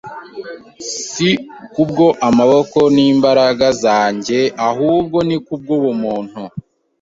Si kubwo amaboko n’imbaraga zanjye ahubwo ni kubw’ubuntu